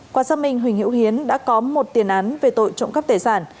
qua xác minh huỳnh hữu hiến đã có một tiền án về tội trộm cắp tài sản